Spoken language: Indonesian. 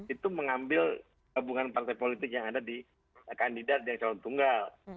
itu mengambil hubungan partai politik yang ada di kandidat yang calon tunggal